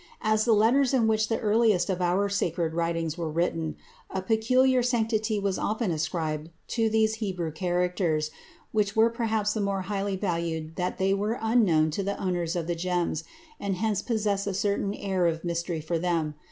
As the letters in which the earliest of our sacred writings were written, a peculiar sanctity was often ascribed to these Hebrew characters, which were perhaps the more highly valued that they were unknown to the owners of the gems, and hence possessed a certain air of mystery for them.